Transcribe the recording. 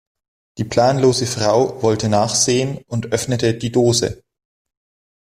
Die planlose Frau wollte nachsehen und öffnete die Dose.